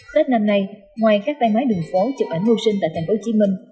tết năm nay ngoài các tay máy đường phố chụp ảnh hồ sinh tại thành phố chí minh